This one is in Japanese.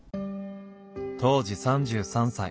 当時３３歳。